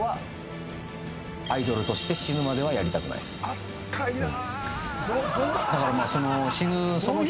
あっかいな。